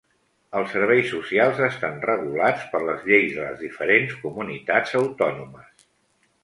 Els serveis socials estan regulats per les lleis de les diferents comunitats autònomes.